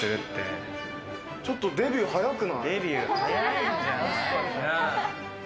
ちょっとデビュー早くない？